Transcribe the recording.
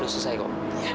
udah selesai kok